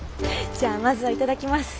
じゃあまずは頂きます！